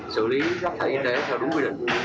xử lý rác thải y tế theo đúng quy định